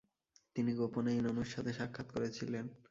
তিনি গোপনে ইনোনুর সাথে সাক্ষাত করেছিলেন।